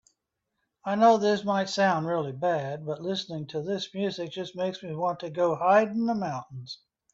I know this might sound really bad, but listening to this music just makes me want to go hide in the mountains.